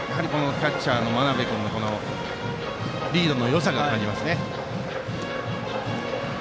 キャッチャーの真鍋君のリードのよさを感じますね。